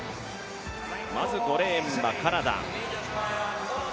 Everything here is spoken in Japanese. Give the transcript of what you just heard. まず５レーンはカナダ。